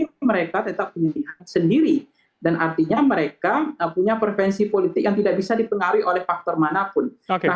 dan artinya mereka punya prevensi politik yang tidak bisa dipengaruhi oleh faktor manapun